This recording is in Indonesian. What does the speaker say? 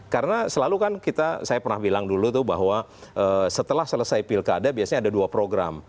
karena selalu kan kita saya pernah bilang dulu tuh bahwa setelah selesai pilkada biasanya ada dua program